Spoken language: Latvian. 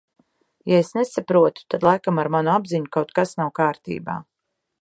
Ja es nesaprotu, tad laikam ar manu apziņu kaut kas nav kārtībā.